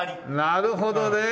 なるほどね。